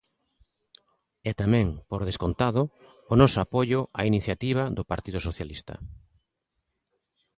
E tamén, por descontado, o noso apoio á iniciativa do Partido Socialista.